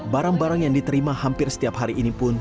barang barang yang diterima hampir setiap hari ini pun